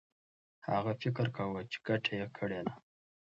هغه فکر کاوه چي ګټه یې کړې ده.